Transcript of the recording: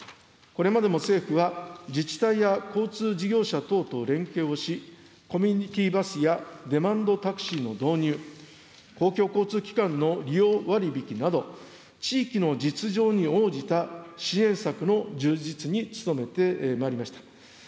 これまでも政府は、自治体や交通事業者等と連携をし、コミュニティーバスやデマンドタクシーの導入、公共交通機関の利用割引など、地域の実情に応じた支援策の充実に努めてまいりました。